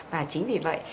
và chính vì vậy